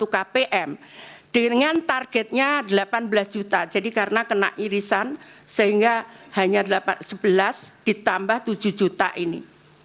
tiga ratus tujuh puluh tiga tujuh ratus lima puluh satu kpm dengan targetnya delapan belas juta jadi karena kena irisan sehingga hanya sebelas ditambah tujuh juta ini